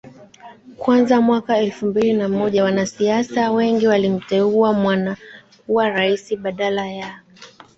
kwanza mwaka elfu mbili na moja Wanasiasa wengine walimteua mwana kuwa rais badala ya